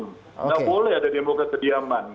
nggak boleh ada demo kesediaman